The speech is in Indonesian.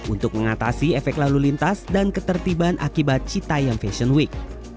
untuk mengatasi efek lalu lintas dan ketertiban akibat citayam fashion week